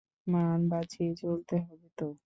মান বাঁচিয়ে চলতে হবে তো?